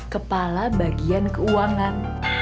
kepala bagian keuangan